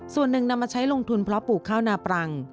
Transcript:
ส่วนหนึ่งนำมาใช้ลงทุนเพราะปลูกข้าวนาปรัง